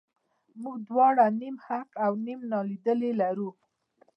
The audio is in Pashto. موږ دواړه نیم حق او نیم نالیدلي لرو.